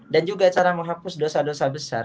dan juga cara menghapus dosa dosa besar